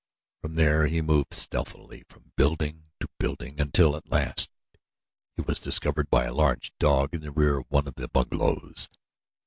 From there he moved stealthily from building to building until at last he was discovered by a large dog in the rear of one of the bungalows.